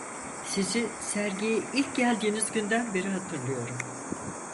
Sizi sergiye ilk geldiğiniz günden beri hatırlıyorum.